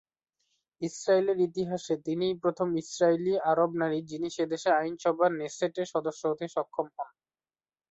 ইসরাইলের ইতিহাসে তিনিই প্রথম ইসরায়েলি আরব নারী যিনি সেদেশের আইনসভা নেসেট সদস্য হতে সক্ষম হন।